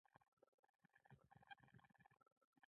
یوازې په امریکا تکیه کول خطر لري.